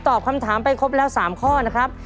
ตอบคำถามไปครบแล้ว๓ข้อนะครับ